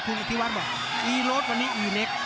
คุณอิทธิวัตรบอกนี่โรสวันนี้อีเล็ก